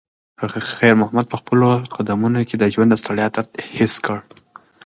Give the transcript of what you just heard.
خیر محمد په خپلو قدمونو کې د ژوند د ستړیا درد حس کړ.